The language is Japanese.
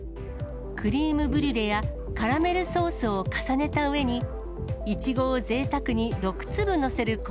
クリームブリュレやカラメルソースを重ねた上に、イチゴをぜいたくに６粒載せる